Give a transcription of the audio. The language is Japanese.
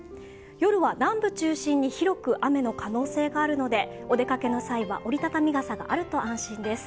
夜は南部中心に広く雨の可能性があるので、お出かけの際は折りたたみ傘があると安心です。